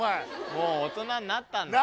もう大人になったんだ。